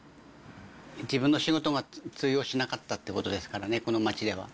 自分の仕事が通用しなかったってことですからね、この街では。